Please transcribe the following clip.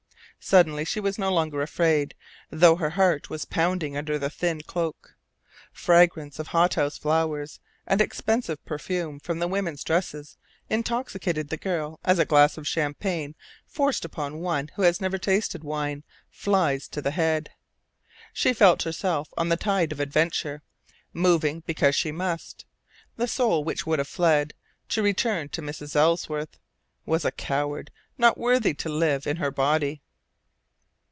Suddenly she was no longer afraid, though her heart was pounding under the thin cloak. Fragrance of hot house flowers and expensive perfume from women's dresses intoxicated the girl as a glass of champagne forced upon one who has never tasted wine flies to the head. She felt herself on the tide of adventure, moving because she must; the soul which would have fled, to return to Mrs. Ellsworth, was a coward not worthy to live in her body.